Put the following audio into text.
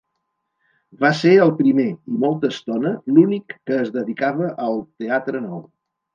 Va ser el primer i molta estona l'únic que es dedicava al teatre nou.